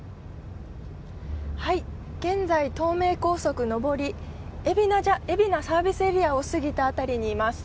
現在、東名高速上り、海老名サービスエリアを過ぎたあたりにいます。